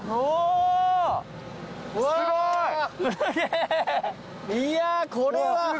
いやこれは！